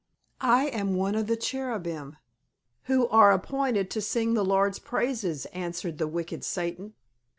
"I am one of the cherubim who are appointed to sing the Lord's praises," answered the wicked Satan.